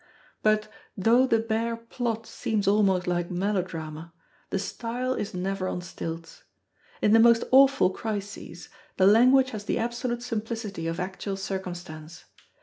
But though the bare plot seems almost like melodrama, the style is never on stilts. In the most awful crises, the language has the absolute simplicity of actual circumstance.